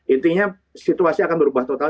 intinya situasi akan berubah total